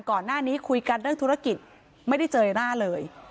ก่อนหน้านี้คุยกันเรื่องธุรกิจไม่ได้เจอหน้าเลย